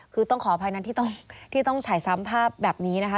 คือต้องขออภัยนั้นที่ต้องฉายซ้ำภาพแบบนี้นะคะ